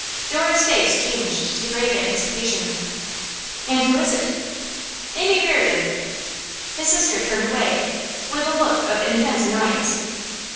Dora's face changed to grave anticipation. 'And who is it?' 'Amy Reardon.' His sister turned away, with a look of intense annoyance.